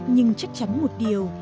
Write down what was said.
nhưng chắc chắn một điều